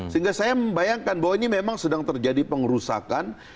sehingga saya membayangkan bahwa ini memang sedang terjadi pengerusakan